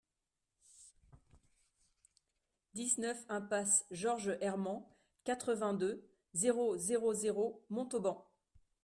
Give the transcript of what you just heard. dix-neuf impasse Georges Herment, quatre-vingt-deux, zéro zéro zéro, Montauban